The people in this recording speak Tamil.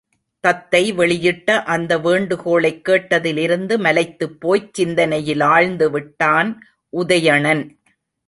தத்தை வெளியிட்ட அந்த வேண்டுகோளைக் கேட்டதிலிருந்து மலைத்துப் போய்ச் சிந்தனையிலாழ்ந்துவிட்டான் உதயணன்.